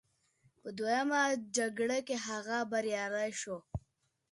په دویمه جګړه کې هغه بریالی شو.